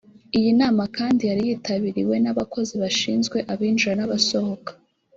Iyi nama kandi yari yitabiriwe n’abakozi bashinzwe abinjira n’abasohoka